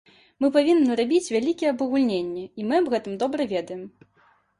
Мы павінны рабіць вялікія абагульненні, і мы аб гэтым добра ведаем.